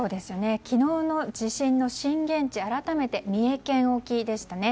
昨日の地震の震源地は改めて、三重県沖でしたね。